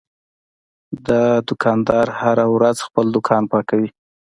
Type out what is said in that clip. دا دوکاندار هره ورځ خپل دوکان پاکوي.